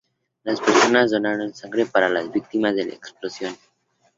Las personas donaron sangre para las víctimas de la explosión.